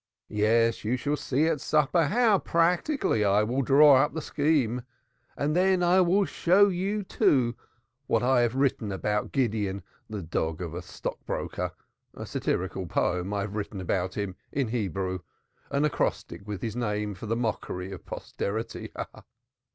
Yes, you shall see at supper how practically I will draw up the scheme. And then I will show you, too, what I have written about Gideon, M.P., the dog of a stockbroker a satirical poem have I written about him, in Hebrew an acrostic, with his name for the mockery of posterity.